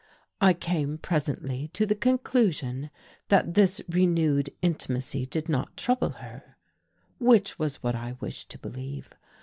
I came presently to the conclusion that this renewed intimacy did not trouble her which was what I wished to believe.